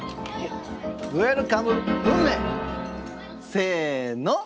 せの！